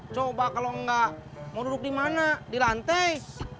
coba kalau enggak mau duduk dimana di lantai